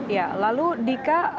ya lalu dika